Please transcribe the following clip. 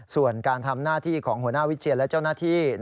ส่วนการทำหน้าที่ของหัวหน้าวิเชียนและเจ้าหน้าที่